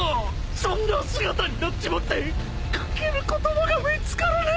そんな姿になっちまってかける言葉が見つからねえ。